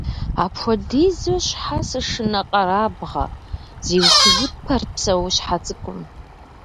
Апхуэдизу щхьэ сышынэкъэрабгъэ? - зиухыжыпэрт псэущхьэ цӀыкӀум.